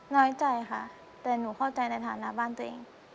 น้อยใจค่ะแต่หนูเข้าใจในฐานะบ้านตัวเอง